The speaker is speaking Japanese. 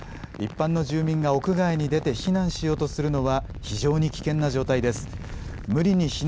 一般の住民が屋外に出て避難しようとするのは非常に危険な状態です。